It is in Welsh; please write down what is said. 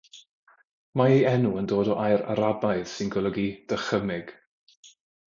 Mae ei enw yn dod o air Arabaidd sy'n golygu “dychymyg”.